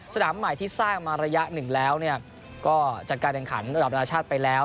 สนามใหม่ที่สร้างมาระยะหนึ่งแล้วก็จัดการแข่งขันระดับนานาชาติไปแล้ว